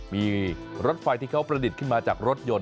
มีรถไฟที่เขาประดิษฐ์ขึ้นมาจากรถยนต์